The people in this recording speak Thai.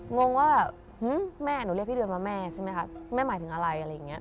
งงว่าหนูเรียกพี่เดือนมาแม่ใช่ไหมแม่หมายถึงอะไร